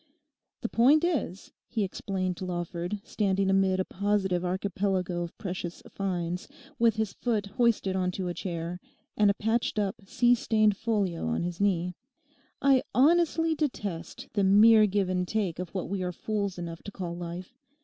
'The point is,' he explained to Lawford, standing amid a positive archipelago of precious 'finds,' with his foot hoisted onto a chair and a patched up, sea stained folio on his knee, 'I honestly detest the mere give and take of what we are fools enough to call life.